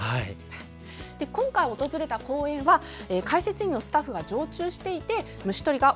今回訪れた公園は解説員のスタッフが常駐していて虫捕りがＯＫ。